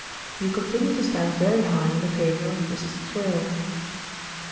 'You continue to stand very high in the favour of Mrs. Thrale.'